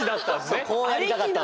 そうこうやりたかった。